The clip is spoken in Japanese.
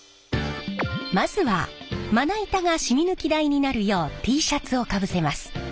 まずはまな板がしみ抜き台になるようＴシャツをかぶせます。